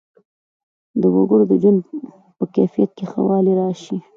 د وګړو د ژوند په کیفیت کې ښه والی راشي.